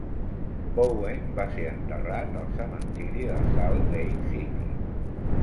Bowen va ser enterrat al cementiri de Salt Lake City.